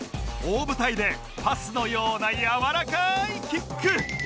大舞台でパスのようなやわらかいキック！